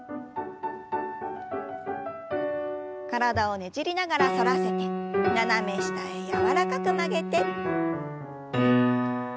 体をねじりながら反らせて斜め下へ柔らかく曲げて。